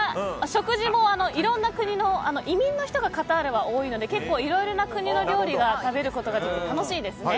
食事もいろんな国の移民の人がカタールは多いので結構、いろいろな国の料理を食べるのが楽しいですね。